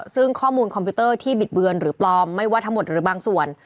ซึ่งข้อมูลคอมพิวเตอร์ที่บิดเบือนหรือปลอมไม่ว่าทั้งหมดหรือบางส่วน